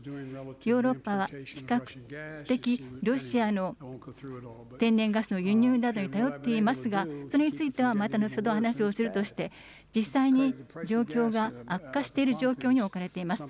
ヨーロッパは比較的、ロシアの天然ガスの輸入などに頼っていますが、それについてはまた後ほど話をするとして、実際に状況が、悪化している状況に置かれています。